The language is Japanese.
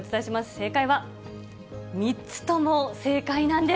正解は３つとも正解なんです。